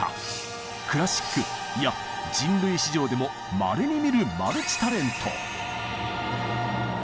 クラシックいや人類史上でもまれに見るマルチ・タレント。